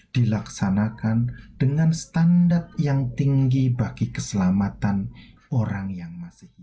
dilaksanakan dengan standar yang tinggi bagi keselamatan orang yang masih hidup